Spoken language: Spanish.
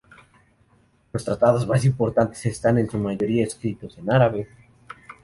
Los tratados más importantes están en su mayoría escritos en árabe.